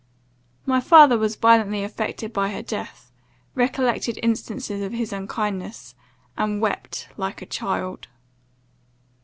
"My father was violently affected by her death, recollected instances of his unkindness, and wept like a child.